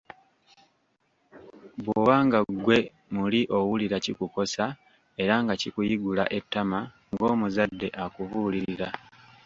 Bwoba nga ggwe muli owulira kikukosa era nga kikuyigula ettama ng'omuzadde akubuulirira